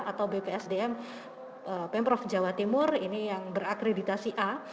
atau bpsdm pemprov jawa timur ini yang berakreditasi a